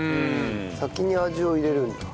先に味を入れるんだ。